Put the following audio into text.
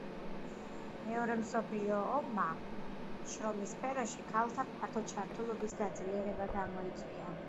მეორე მსოფლიო ომმა შრომის სფეროში ქალთა ფართო ჩართულობის გაძლიერება გამოიწვია.